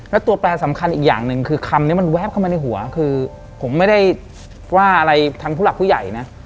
แล้วตัวแปรสำคัญอีกอย่างหนึ่งคือคำนี้มันแวบเข้ามาในหัวคือผมไม่ได้ว่าอะไรทางผู้หลักผู้ใหญ่นะ